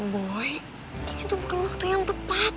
boy ini tuh bukan waktu yang tepat